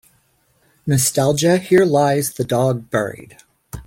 Nostalgia Here lies the dog buried.